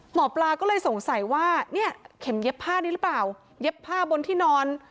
หมอปลาก็เลยสงสัยว่าเนี่ยเข็มเย็บผ้านี้หรือเปล่าเย็บผ้าบนที่นอน